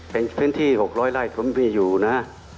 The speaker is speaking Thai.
เป็นพื้นที่๖๐๐ไร่ผมมีอยู่นะ